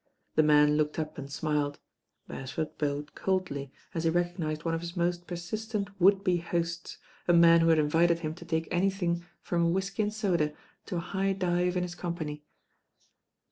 The man looked up and smiled. Beresford bowed coldly, as I he recognised one of his most persistent would be ! hosts, a man who had invited him to take anything trom a whisky and soda to a high dive in his com I pany.